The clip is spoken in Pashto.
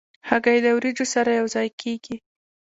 هګۍ د وریجو سره یو ځای کېږي.